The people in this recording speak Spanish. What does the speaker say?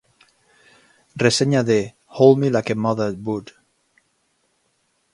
Reseña de "Hold me like a mother would".